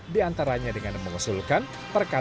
diantaranya dengan mengusulkan perkantoran